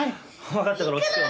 わかったから落ち着けよ。